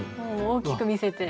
大きく見せて。